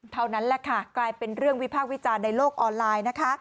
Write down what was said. เท่านั้นแหละค่ะกลายเป็นเรื่องวิพากษ์วิจารณ์ในโลกออนไลน์นะคะ